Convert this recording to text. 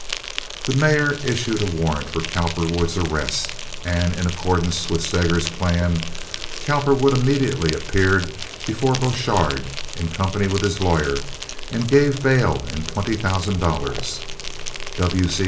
The mayor issued a warrant for Cowperwood's arrest, and, in accordance with Steger's plan, Cowperwood immediately appeared before Borchardt in company with his lawyer and gave bail in twenty thousand dollars (W. C.